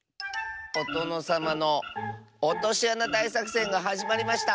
「おとのさまのおとしあなだいさくせんがはじまりました。